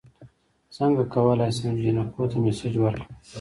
څنګه کولی شم جینکو ته میسج ورکړم